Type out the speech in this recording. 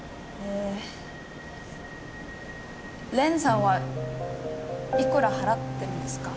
蓮さんはいくら払ってるんですか？